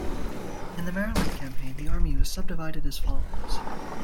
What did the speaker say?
In the Maryland Campaign the Army was subdivided as follows.